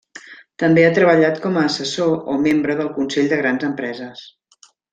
També ha treballat com a assessor o membre del consell de grans empreses.